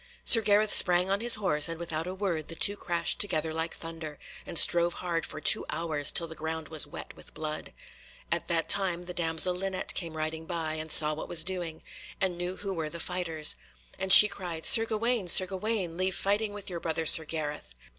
Sir Gareth sprang on his horse, and without a word the two crashed together like thunder, and strove hard for two hours, till the ground was wet with blood. At that time the damsel Linet came riding by, and saw what was doing, and knew who were the fighters. And she cried "Sir Gawaine, Sir Gawaine, leave fighting with your brother Sir Gareth."